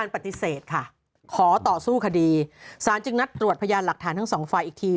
ปฏิเสธค่ะขอต่อสู้คดีสารจึงนัดตรวจพยานหลักฐานทั้งสองฝ่ายอีกที